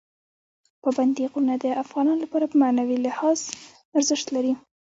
پابندي غرونه د افغانانو لپاره په معنوي لحاظ ارزښت لري.